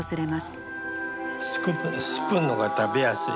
スプーンのほうが食べやすい？